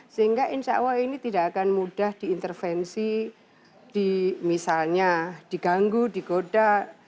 sehingga insya allah ini tidak akan mudah diintervensi di misalnya diganggu digoda